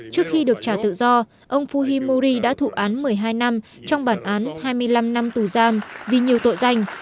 trước khi được trả tự do ông fuhimuri đã thụ án một mươi hai năm trong bản án hai mươi năm năm tù giam vì nhiều tội danh